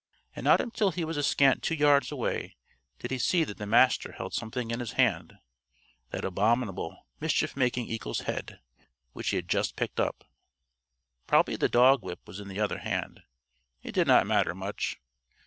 And not until he was a scant two yards away did he see that the Master held something in his hand that abominable, mischief making eagle's head, which he had just picked up! Probably the dog whip was in the other hand. It did not matter much.